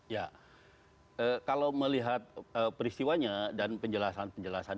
ya kalau melihat peristiwanya dan penjelasan penjelasan